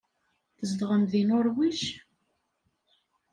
Tzedɣem deg Nuṛwij?